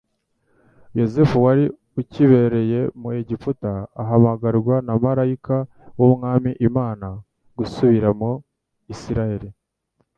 Yosefu wari ucyibereye mu Egiputa ahamagarwa na malayika w'Umwami Imana gusubira mu Isirayeli.